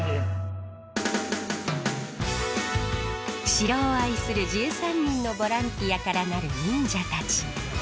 城を愛する１３人のボランティアから成る忍者たち。